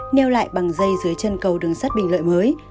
neo lại bằng dây dưới chân cầu đường sắt bình lợi mới